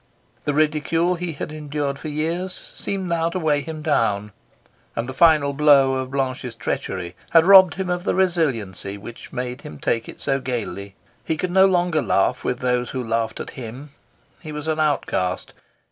The ridicule he had endured for years seemed now to weigh him down, and the final blow of Blanche's treachery had robbed him of the resiliency which had made him take it so gaily. He could no longer laugh with those who laughed at him. He was an outcast.